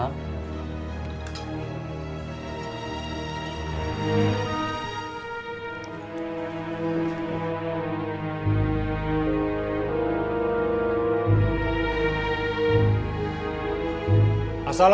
tidak ada yang bisa